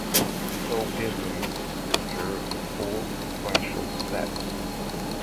Tropisms occur in four sequential steps.